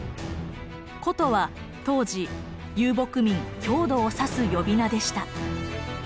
「胡」とは当時遊牧民・匈奴を指す呼び名でした。